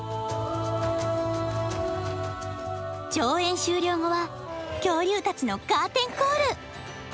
上演終了後は恐竜たちのカーテンコール